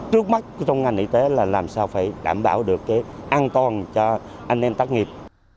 trước mắt trong ngành y tế là làm sao phải đảm bảo được cái an toàn cho anh em tác nghiệp